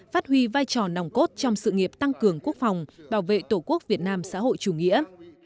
phát huy vai trò nòng cốt trong sự nghiệp tăng cường quốc phòng bảo vệ tổ quốc việt nam xã hội chủ nghĩa